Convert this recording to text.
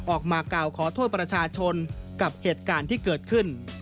ออกมากล่าวขอโทษประชาชนกับเหตุการณ์ที่เกิดขึ้น